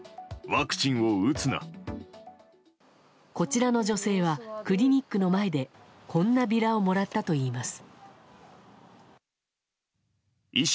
こちらの女性はクリニックの前でこんなビラをもらったといいます。